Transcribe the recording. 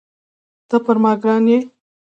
ته پر ما ګران یې